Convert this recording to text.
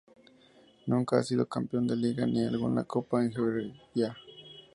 Nunca ha sido campeón de Liga ni alguna Copa en Georgia.